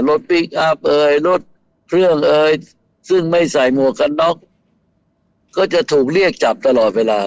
พลิกอัพเอ่ยรถเครื่องเอ่ยซึ่งไม่ใส่หมวกกันน็อกก็จะถูกเรียกจับตลอดเวลา